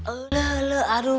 eleh eleh aduh